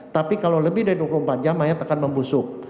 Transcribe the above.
tapi kalau lebih dari dua puluh empat jam mayat akan membusuk